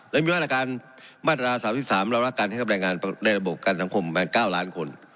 และมีมาตรการมาตรา๓๓รับลักษณะแค่กับแรงงานในระบบการสังคม๙ล้านคน